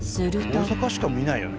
大阪しか見ないよね